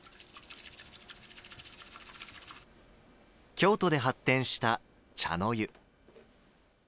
京都で発展した茶の湯。